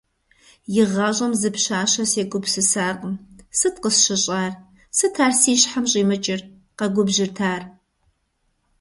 ИгъащӀэм зы пщащэ сегупсысакъым, сыт къысщыщӀар, сыт ар си щхьэм щӀимыкӀыр? - къэгубжьырт ар.